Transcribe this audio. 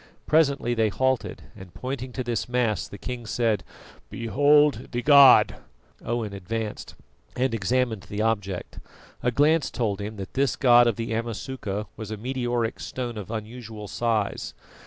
Presently they halted, and, pointing to this mass, the king said: "Behold the god!" Owen advanced and examined the object. A glance told him that this god of the Amasuka was a meteoric stone of unusual size.